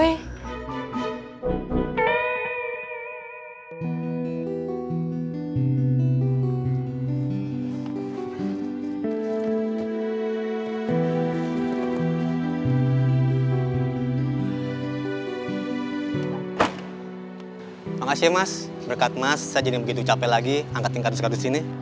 terima kasih mas berkat mas saya jadi begitu capek lagi angkat tingkat tingkat disini